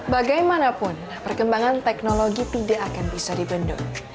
bagaimanapun perkembangan teknologi tidak akan bisa dibendung